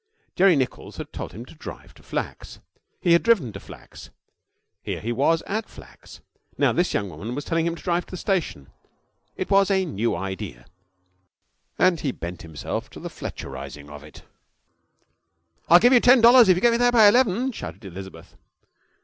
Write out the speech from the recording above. Jerry Nichols had told him to drive to Flack's. He had driven to Flack's. Here he was at Flack's. Now this young woman was telling him to drive to the station. It was a new idea, and he bent himself to the Fletcherizing of it. 'I'll give you ten dollars if you get me there by eleven,' shouted Elizabeth.